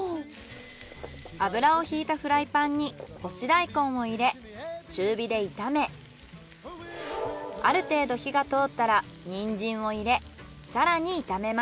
油をひいたフライパンに干し大根を入れ中火で炒めある程度火が通ったらニンジンを入れ更に炒めます。